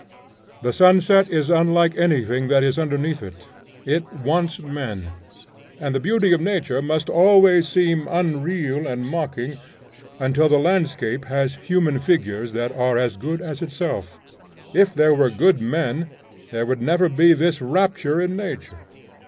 The sunset is unlike anything that is underneath it: it wants men. And the beauty of nature must always seem unreal and mocking, until the landscape has human figures that are as good as itself. If there were good men, there would never be this rapture in nature.